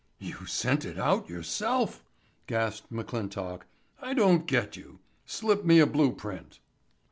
"You sent it out yourself!" gasped McClintock. "I don't get you. Slip me a blueprint."